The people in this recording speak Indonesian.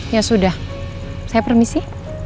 ya sudah saya permisi